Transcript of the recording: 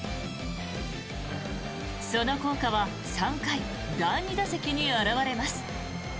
その効果は３回第２打席に表れます。